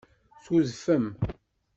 Tudfem.